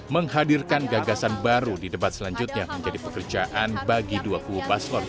menghadirkan gagasan baru di debat selanjutnya menjadi pekerjaan bagi dua kubu paslon